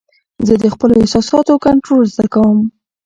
زه د خپلو احساساتو کنټرول زده کوم.